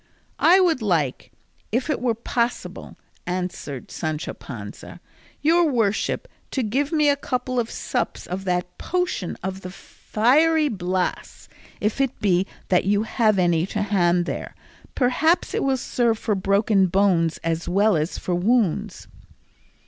"I would like, if it were possible," answered Sancho Panza, "your worship to give me a couple of sups of that potion of the fiery Blas, if it be that you have any to hand there; perhaps it will serve for broken bones as well as for wounds."